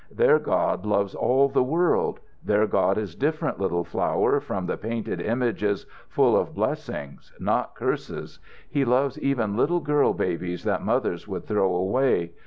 "Their God loves all the world. Their God is different, little Flower, from the painted images, full of blessings, not curses. He loves even little girl babies that mothers would throw away.